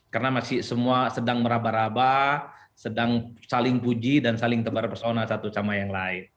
karena masih semua sedang merabah rabah sedang saling puji dan saling tebar persona satu sama yang lain